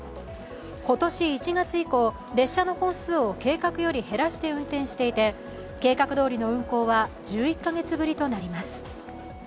今年１月以降、列車の本数を計画より減らして運転していて計画どおりの運行は１１カ月ぶりとなります。